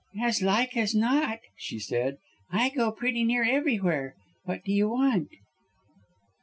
"As like as not," she said. "I go pretty near everywhere! What do you want?"